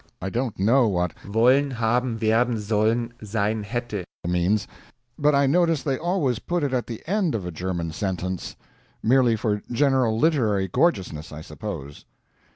(I don't know what wollen haben werden sollen sein hätte means, but I notice they always put it at the end of a German sentence merely for general literary gorgeousness, I suppose.)